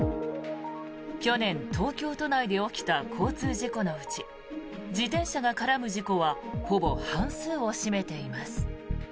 去年、東京都内で起きた交通事故のうち自転車が絡む事故はほぼ半数を占めています。